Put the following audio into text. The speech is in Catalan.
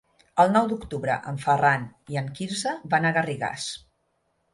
El nou d'octubre en Ferran i en Quirze van a Garrigàs.